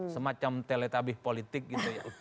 semacam teletabih politik gitu ya